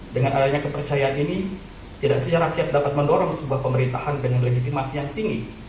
dengan adanya kepercayaan ini tidak saja rakyat dapat mendorong sebuah pemerintahan dengan legitimasi yang tinggi